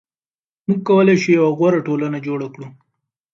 موږ کولای شو یوه غوره ټولنه جوړه کړو.